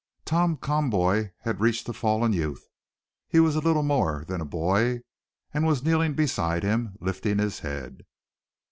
Tom Conboy had reached the fallen youth he was little more than a boy and was kneeling beside him, lifting his head.